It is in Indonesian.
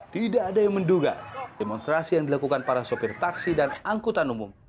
tidak ada yang menduga demonstrasi yang dilakukan para sopir taksi dan angkutan umum